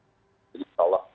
jadi insya allah